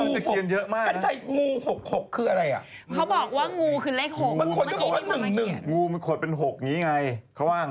อือมาทุกครั้งมาทุกครั้งมาทุกครั้ง